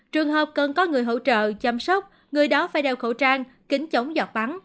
trường hợp cần có người hỗ trợ chăm sóc người đó phải đeo khẩu trang kính chống giọt bắn